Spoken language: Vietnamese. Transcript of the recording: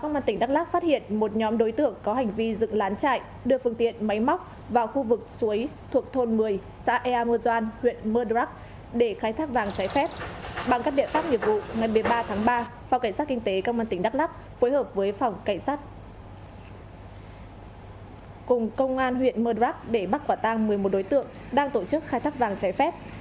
bằng các địa pháp nhiệm vụ ngày một mươi ba tháng ba phòng cảnh sát kinh tế công an tỉnh đắk lắk phối hợp với phòng cảnh sát cùng công an huyện mơ đrác để bắt quả tang một mươi một đối tượng đang tổ chức khai thác vàng trái phép